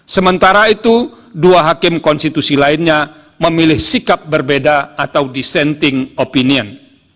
sementara itu dua hakim konstitusi lainnya memilih sikap berbeda atau dissenting opinion